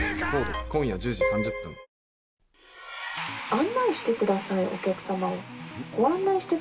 案内してください、お客様を。